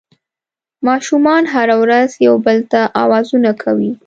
ماشومان هره ورځ یو بل ته اوازونه کوي